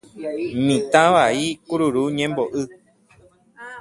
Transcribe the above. Mitã vai kururu ñembo'y.